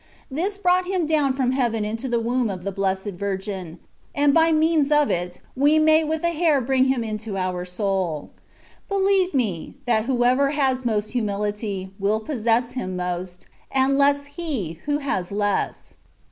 This brought Him down from heaven into the womb of the blessed Virgin, and by means of it, we may with a hair bring Him into our soul. BeUeve me, that whoever has most humility, will possess Him most, and less he who has less.